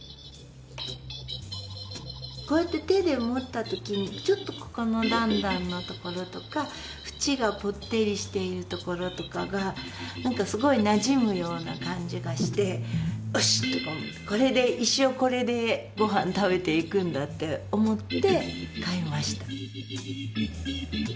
こうやって手で持った時にちょっとここの段々のところとか縁がぽってりしているところとかが何かすごいなじむような感じがしてよしこれで一生これでごはん食べていくんだって思って買いました。